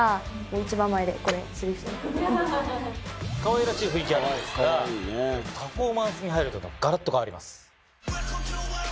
かわいらしい雰囲気あるんですがパフォーマンスに入るとがらっと変わります。